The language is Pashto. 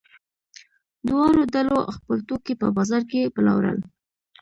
دواړو ډلو خپل توکي په بازار کې پلورل.